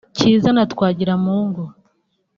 Cyiza na Twagirumukiza